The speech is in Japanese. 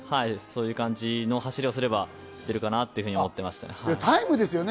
そういう感じの走りをすれば出るかなと思っていました。